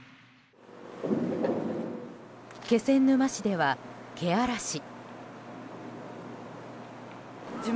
気仙沼市では、けあらし。